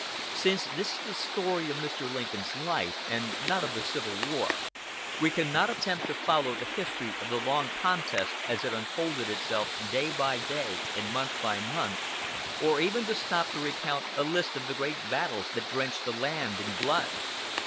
Since this is the story of Mr. Lincoln's life, and not of the Civil War, we cannot attempt to follow the history of the long contest as it unfolded itself day by day and month by month, or even to stop to recount a list of the great battles that drenched the land in blood.